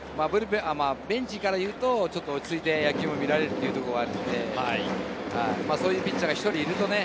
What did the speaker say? ベンチからいうとちょっと落ち着いて野球が見られるということがあるので、そういうピッチャーが１人いるとね。